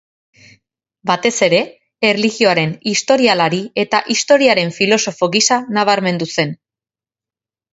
Batez ere erlijioaren historialari eta historiaren filosofo gisa nabarmendu zen.